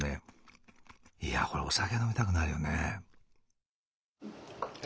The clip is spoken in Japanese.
いやこれお酒飲みたくなるよね。